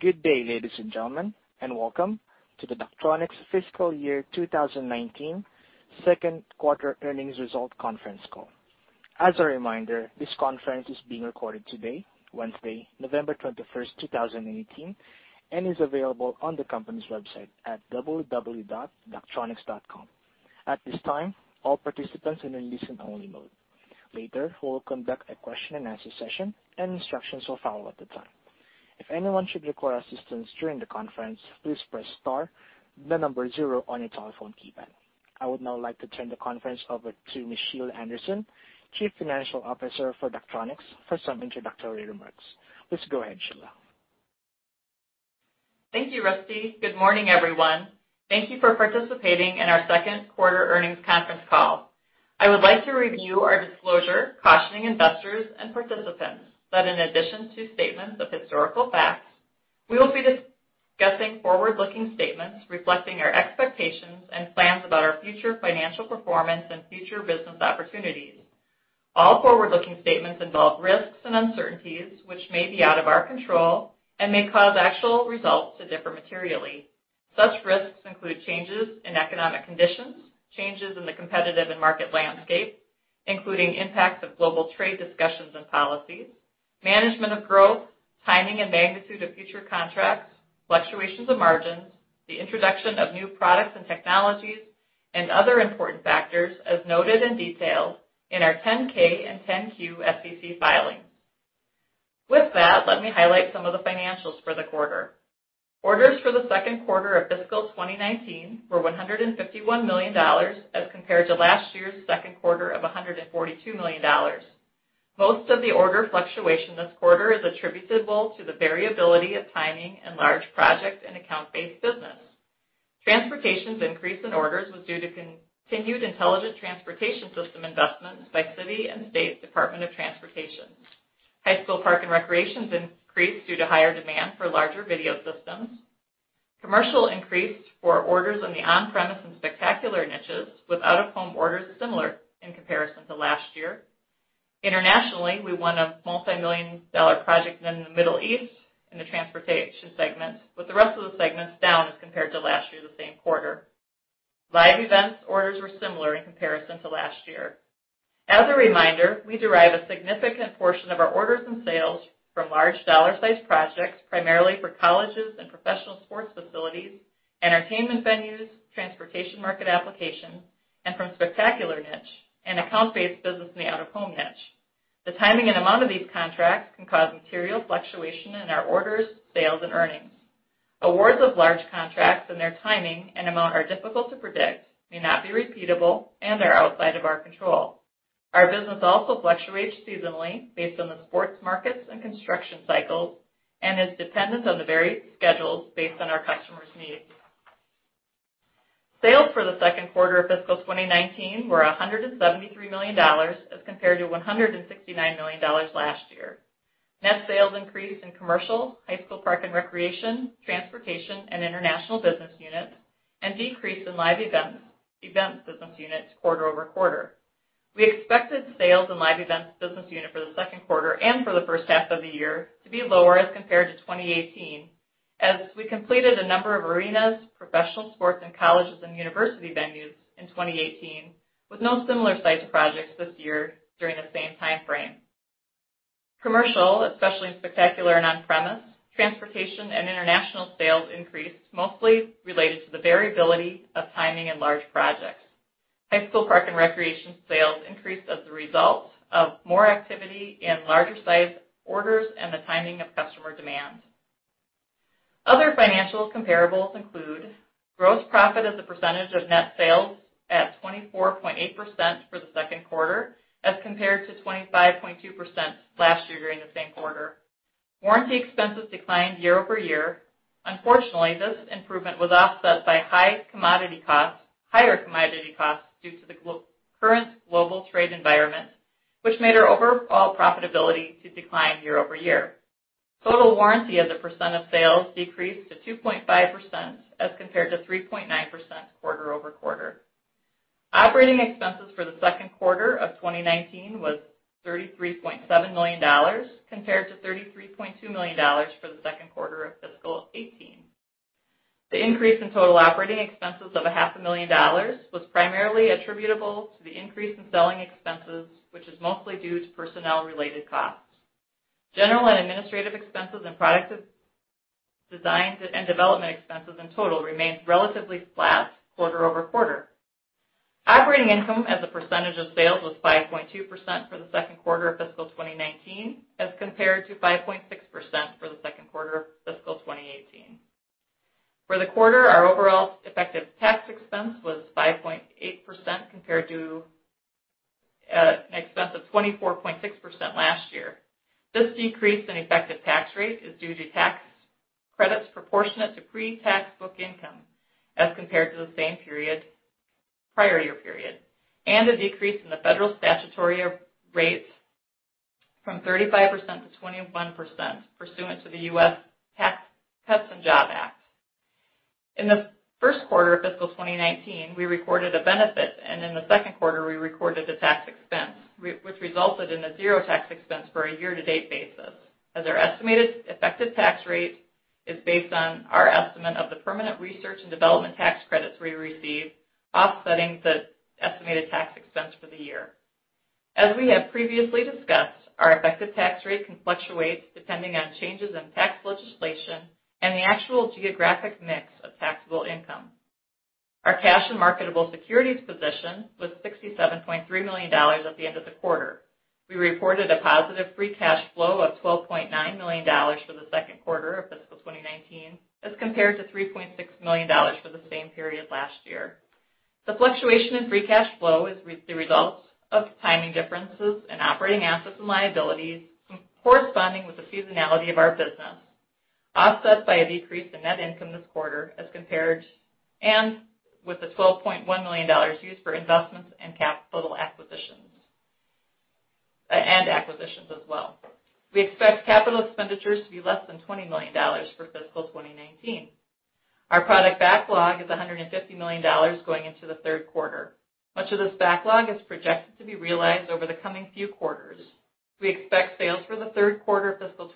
Good day, ladies and gentlemen, and welcome to the Daktronics Fiscal Year 2019 second quarter earnings result conference call. As a reminder, this conference is being recorded today, Wednesday, November 21, 2018, and is available on the company's website at www.daktronics.com. At this time, all participants are in listen only mode. Later, we'll conduct a question and answer session, and instructions will follow at the time. If anyone should require assistance during the conference, please press star the number zero on your telephone keypad. I would now like to turn the conference over to Ms. Sheila Anderson, Chief Financial Officer for Daktronics, for some introductory remarks. Please go ahead, Sheila. Thank you, Rusty. Good morning, everyone. Thank you for participating in our second quarter earnings conference call. I would like to review our disclosure cautioning investors and participants that in addition to statements of historical facts, we will be discussing forward-looking statements reflecting our expectations and plans about our future financial performance and future business opportunities. All forward-looking statements involve risks and uncertainties which may be out of our control and may cause actual results to differ materially. Such risks include changes in economic conditions, changes in the competitive and market landscape, including impacts of global trade discussions and policies, management of growth, timing and magnitude of future contracts, fluctuations of margins, the introduction of new products and technologies, and other important factors as noted and detailed in our 10-K and 10-Q SEC filings. With that, let me highlight some of the financials for the quarter. Orders for the second quarter of fiscal 2019 were $151 million as compared to last year's second quarter of $142 million. Most of the order fluctuation this quarter is attributable to the variability of timing and large project and account-based business. Transportation's increase in orders was due to continued intelligent transportation system investments by city and state department of transportation. High School Park and Recreation increased due to higher demand for larger video systems. Commercial increased for orders on the on-premise and spectacular niches, with out-of-home orders similar in comparison to last year. Internationally, we won a multi-million dollar project in the Middle East in the transportation segment, with the rest of the segments down as compared to last year the same quarter. Live Events orders were similar in comparison to last year. As a reminder, we derive a significant portion of our orders and sales from large dollar sized projects, primarily for colleges and professional sports facilities, entertainment venues, transportation market applications, and from spectacular niche and account-based business in the out-of-home niche. The timing and amount of these contracts can cause material fluctuation in our orders, sales, and earnings. Awards of large contracts and their timing and amount are difficult to predict, may not be repeatable, and are outside of our control. Our business also fluctuates seasonally based on the sports markets and construction cycles and is dependent on the varied schedules based on our customers' needs. Sales for the second quarter of fiscal 2019 were $173 million as compared to $169 million last year. Net sales increased in commercial, High School Park and Recreation, transportation, and international business units, and decreased in Live Events business units quarter-over-quarter. We expected sales in Live Events business unit for the second quarter and for the first half of the year to be lower as compared to 2018, as we completed a number of arenas, professional sports, and colleges and university venues in 2018 with no similar site to projects this year during the same timeframe. Commercial, especially in spectacular and on-premise, transportation, and international sales increased mostly related to the variability of timing and large projects. High School Park and Recreation sales increased as a result of more activity in larger size orders and the timing of customer demand. Other financials comparables include gross profit as a percentage of net sales at 24.8% for the second quarter as compared to 25.2% last year during the same quarter. Warranty expenses declined year-over-year. Unfortunately, this improvement was offset by higher commodity costs due to the current global trade environment, which made our overall profitability to decline year-over-year. Total warranty as a percent of sales decreased to 2.5% as compared to 3.9% quarter-over-quarter. Operating expenses for the second quarter of 2019 was $33.7 million compared to $33.2 million for the second quarter of fiscal 2018. The increase in total operating expenses of a half a million dollars was primarily attributable to the increase in selling expenses, which is mostly due to personnel-related costs. General and administrative expenses and product design and development expenses in total remained relatively flat quarter-over-quarter. Operating income as a percentage of sales was 5.2% for the second quarter of fiscal 2019 as compared to 5.6% for the second quarter of fiscal 2018. For the quarter, our overall effective tax expense was 5.8% compared to an expense of 24.6% last year. This decrease in effective tax rate is due to tax credits proportionate to pre-tax book income as compared to the same prior year period, and a decrease in the federal statutory rates from 35% to 21% pursuant to the US Tax Cuts and Jobs Act. In the first quarter of fiscal 2019, we recorded a benefit, and in the second quarter, we recorded a tax expense, which resulted in a 0 tax expense for a year-to-date basis. As our estimated effective tax rate is based on our estimate of the permanent research and development tax credits we receive offsetting the estimated tax expense for the year. As we have previously discussed, our effective tax rate can fluctuate depending on changes in tax legislation and the actual geographic mix of taxable income. Our cash and marketable securities position was $67.3 million at the end of the quarter. We reported a positive free cash flow of $12.9 million for the second quarter of fiscal 2019 as compared to $3.6 million for the same period last year. The fluctuation in free cash flow is the results of timing differences in operating assets and liabilities, corresponding with the seasonality of our business, offset by a decrease in net income this quarter as compared, and with the $12.1 million used for investments and capital acquisitions. Acquisitions as well. We expect capital expenditures to be less than $20 million for fiscal 2019. Our product backlog is $150 million going into the third quarter. Much of this backlog is projected to be realized over the coming few quarters. We expect sales for the third quarter of fiscal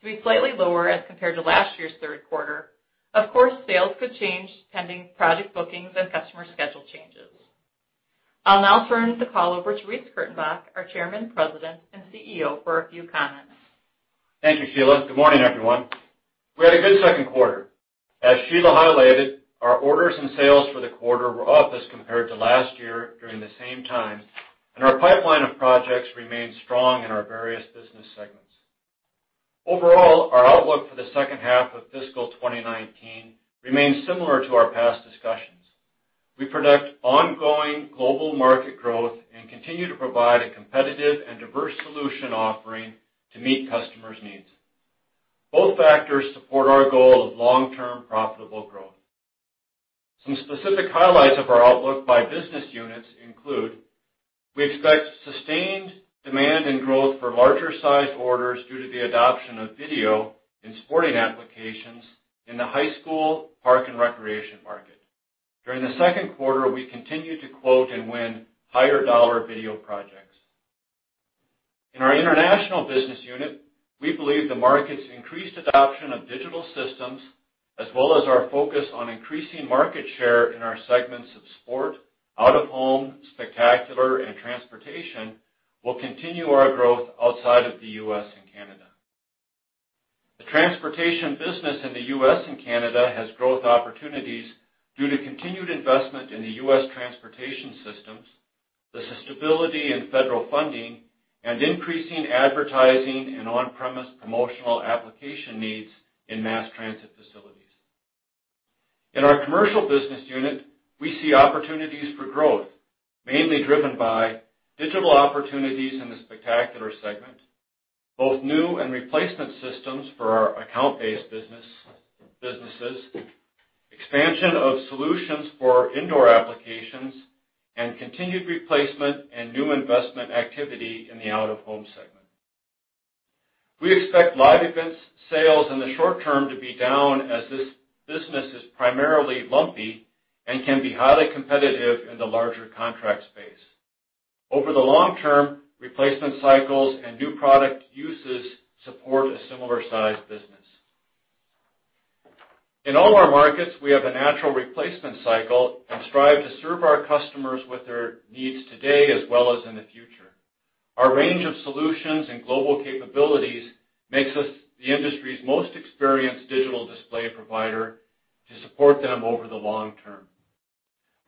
2019 to be slightly lower as compared to last year's third quarter. Of course, sales could change pending project bookings and customer schedule changes. I'll now turn the call over to Reece Kurtenbach, our Chairman, President, and CEO, for a few comments. Thank you, Sheila. Good morning, everyone. We had a good second quarter. As Sheila highlighted, our orders and sales for the quarter were up as compared to last year during the same time, and our pipeline of projects remained strong in our various business segments. Overall, our outlook for the second half of fiscal 2019 remains similar to our past discussions. We predict ongoing global market growth and continue to provide a competitive and diverse solution offering to meet customers' needs. Both factors support our goal of long-term profitable growth. Some specific highlights of our outlook by business units include, we expect sustained demand and growth for larger-sized orders due to the adoption of video in sporting applications in the High School Park and Recreation market. During the second quarter, we continued to quote and win higher dollar video projects. In our international business unit, we believe the market's increased adoption of digital systems, as well as our focus on increasing market share in our segments of sport, out-of-home, spectacular, and transportation, will continue our growth outside of the U.S. and Canada. The transportation business in the U.S. and Canada has growth opportunities due to continued investment in the U.S. transportation systems, the stability in federal funding, and increasing advertising and on-premise promotional application needs in mass transit facilities. In our commercial business unit, we see opportunities for growth, mainly driven by digital opportunities in the spectacular segment, both new and replacement systems for our account-based businesses, expansion of solutions for indoor applications, and continued replacement and new investment activity in the out-of-home segment. We expect Live Events sales in the short term to be down as this business is primarily lumpy and can be highly competitive in the larger contract space. Over the long term, replacement cycles and new product uses support a similar size business. In all our markets, we have a natural replacement cycle and strive to serve our customers with their needs today as well as in the future. Our range of solutions and global capabilities makes us the industry's most experienced digital display provider to support them over the long term.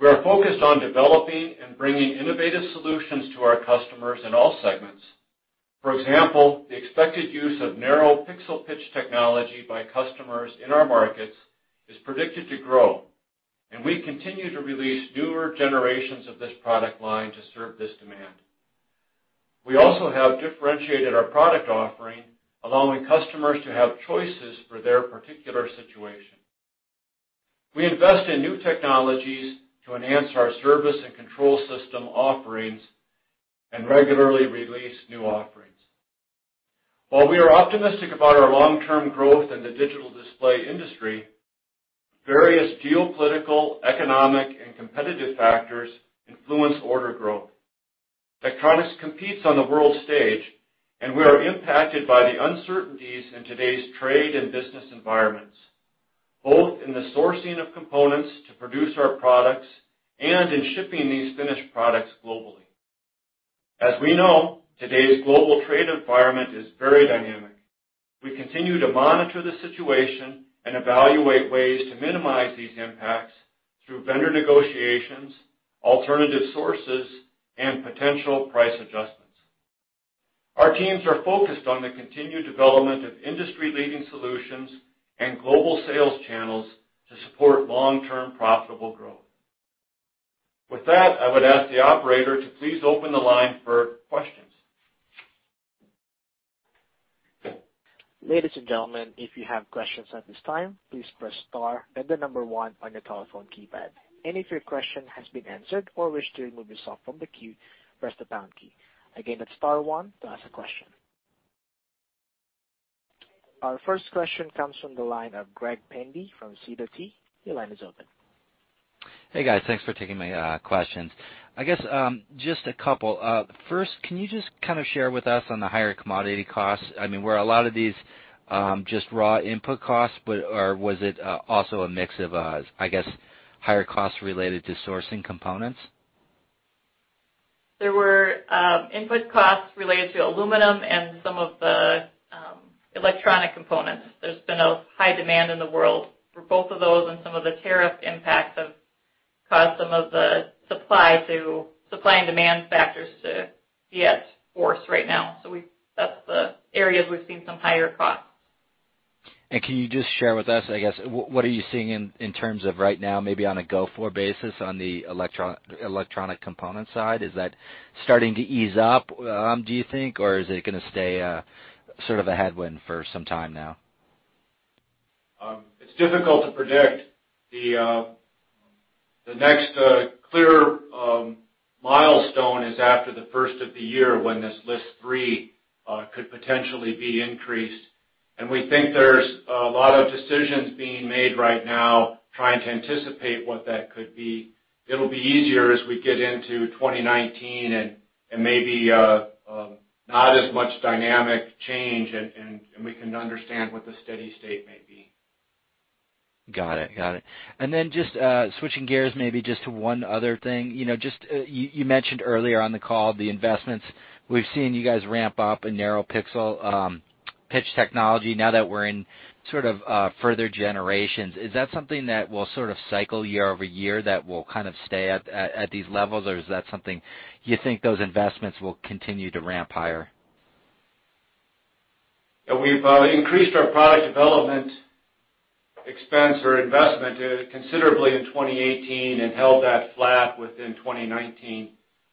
We are focused on developing and bringing innovative solutions to our customers in all segments. For example, the expected use of narrow pixel pitch technology by customers in our markets is predicted to grow, and we continue to release newer generations of this product line to serve this demand. We also have differentiated our product offering, allowing customers to have choices for their particular situation. We invest in new technologies to enhance our service and control system offerings and regularly release new offerings. While we are optimistic about our long-term growth in the digital display industry, various geopolitical, economic, and competitive factors influence order growth. Daktronics competes on the world stage, and we are impacted by the uncertainties in today's trade and business environments, both in the sourcing of components to produce our products and in shipping these finished products globally. As we know, today's global trade environment is very dynamic. We continue to monitor the situation and evaluate ways to minimize these impacts through vendor negotiations, alternative sources, and potential price adjustments. Our teams are focused on the continued development of industry-leading solutions and global sales channels to support long-term profitable growth. With that, I would ask the operator to please open the line for questions. Ladies and gentlemen, if you have questions at this time, please press star then the number one on your telephone keypad. If your question has been answered or wish to remove yourself from the queue, press the pound key. Again, that's star one to ask a question. Our first question comes from the line of Greg Pendy from Sidoti & Company. Your line is open. Hey, guys. Thanks for taking my questions. I guess, just a couple. First, can you just share with us on the higher commodity costs? Were a lot of these just raw input costs, or was it also a mix of higher costs related to sourcing components? There were input costs related to aluminum and some of the electronic components. There's been a high demand in the world for both of those and some of the tariff impacts have caused some of the supply and demand factors to be at force right now. That's the areas we've seen some higher costs. Can you just share with us, what are you seeing in terms of right now, maybe on a go-forward basis on the electronic component side? Is that starting to ease up, do you think, or is it going to stay a headwind for some time now? It's difficult to predict. The next clear milestone is after the first of the year when this List 3 could potentially be increased. We think there's a lot of decisions being made right now trying to anticipate what that could be. It'll be easier as we get into 2019 and maybe not as much dynamic change, and we can understand what the steady state may be. Got it. Just switching gears maybe just to one other thing. You mentioned earlier on the call the investments. We've seen you guys ramp up a narrow pixel pitch technology. Now that we're in further generations, is that something that will cycle year-over-year that will stay at these levels, or is that something you think those investments will continue to ramp higher? We've increased our product development expense or investment considerably in 2018 and held that flat within 2019.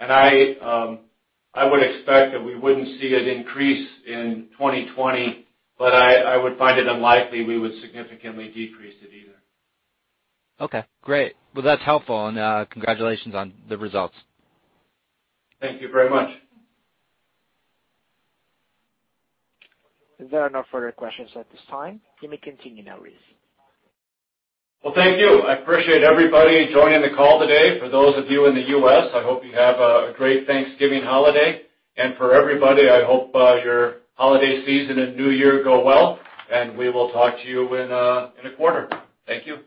I would expect that we wouldn't see an increase in 2020, I would find it unlikely we would significantly decrease it either. Okay, great. Well, that's helpful, congratulations on the results. Thank you very much. There are no further questions at this time. You may continue now, Reece. Well, thank you. I appreciate everybody joining the call today. For those of you in the U.S., I hope you have a great Thanksgiving holiday. For everybody, I hope your holiday season and new year go well, and we will talk to you in a quarter. Thank you.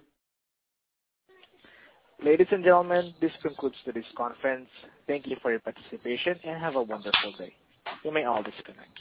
Ladies and gentlemen, this concludes today's conference. Thank you for your participation, and have a wonderful day. You may all disconnect.